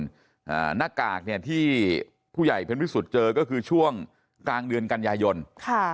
อ่าหน้ากากเนี่ยที่ผู้ใหญ่เป็นพิสุทธิ์เจอก็คือช่วงกลางเดือนกันยายนค่ะ